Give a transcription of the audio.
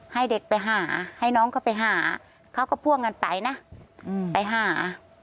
ให้เด็กไปหาให้น้องเขาไปหาเขาก็พ่วงกันไปนะไปหา